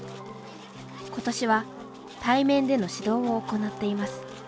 ことしは対面での指導を行っています。